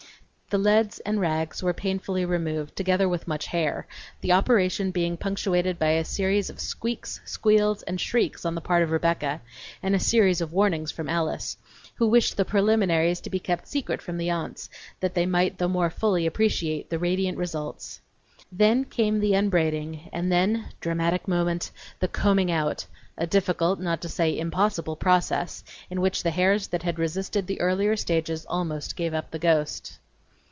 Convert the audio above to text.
The leads and rags were painfully removed, together with much hair, the operation being punctuated by a series of squeaks, squeals, and shrieks on the part of Rebecca and a series of warnings from Alice, who wished the preliminaries to be kept secret from the aunts, that they might the more fully appreciate the radiant result. Then came the unbraiding, and then dramatic moment the "combing out;" a difficult, not to say impossible process, in which the hairs that had resisted the earlier stages almost gave up the ghost.